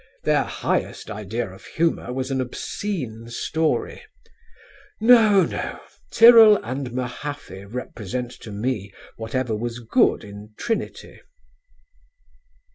Their highest idea of humour was an obscene story. No, no, Tyrrell and Mahaffy represent to me whatever was good in Trinity."